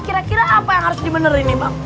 kira kira apa yang harus dimenerin nih bang